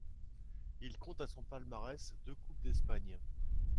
Il compte à son palmarés deux Coupes d'Espagne.